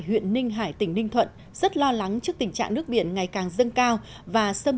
huyện ninh hải tỉnh ninh thuận rất lo lắng trước tình trạng nước biển ngày càng dâng cao và xâm